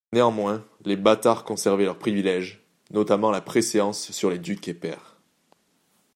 Néanmoins, les bâtards conservaient leurs privilèges, notamment la préséance sur les ducs et pairs.